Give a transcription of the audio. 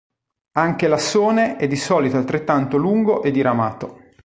Anche l'assone è di solito altrettanto lungo e diramato.